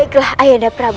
jepun ayande prabu